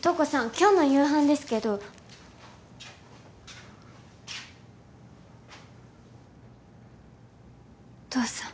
今日の夕飯ですけどお父さん